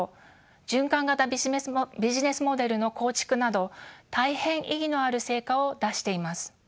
循環型ビジネスモデルの構築など大変意義のある成果を出しています。